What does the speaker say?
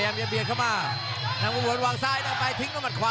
จนถึงนี่ครับสองยกดอกก่ว่าก่วา